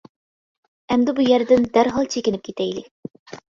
ئەمدى بۇ يەردىن دەرھال چېكىنىپ كېتەيلى.